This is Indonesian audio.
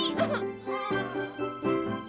ini ini tape buat kamu